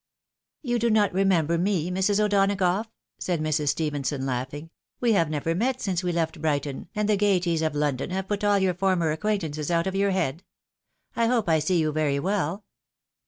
" You do not remember me, Mrs. O'Donagough ?" said Mrs. Stephenson, laughing; "we have never met since we left Brighton, and the gaieties of London have put all your former acquaintances out of your head. I hope I see you very well